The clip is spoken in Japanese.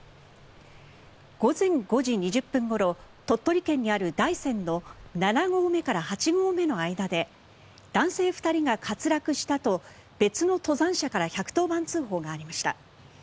午前５時２０分ごろ鳥取県にある大山の７合目から８合目の間で男性２人が滑落したと別の登山者から１１０番通報がありました。